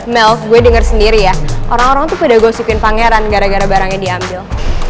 melf gue denger sendiri ya orang orang tuh pada gosipin pangeran gara gara barangnya diambil